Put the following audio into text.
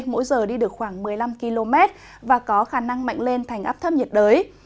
mỗi giờ đi được khoảng một mươi năm km và có khả năng mạnh lên thành áp thấp nhiệt đới